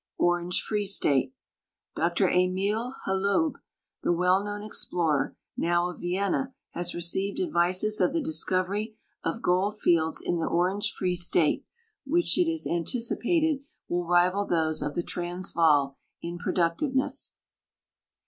Orange Free State. Dr Emil Holub, the well known explorer, now of Vienna, has received advices of the discovery of gold fields in the ( )range F ree State which it is anticipated will rival those of the Transvaal in productiveness.